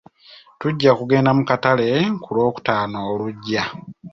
Tujja kugenda mu katale ku lwokutaano olujja.